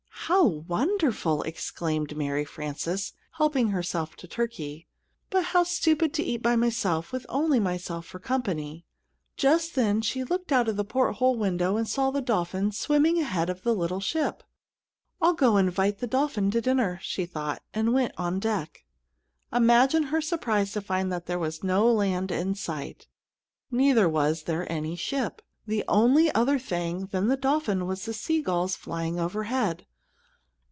"How wonderful!" exclaimed Mary Frances, helping herself to turkey. "But how stupid to eat by myself, with only myself for company." Just then she looked out of the porthole window and saw the dolphin, swimming ahead of the little ship. "I'll go invite the dolphin to dinner," she thought; and went on deck. Imagine her surprise to find that there was no land in sight. Neither was there any ship. The only other thing than the dolphin was the sea gulls flying overhead.